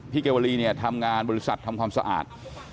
พี่เกวลีทำงานบริษัททำความสะอาด